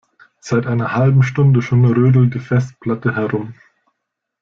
Seit einer halben Stunde schon rödelt die Festplatte herum.